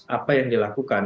apa yang dilakukan